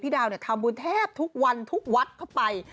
ดาวทำบุญแทบทุกวันทุกวัดเข้าไป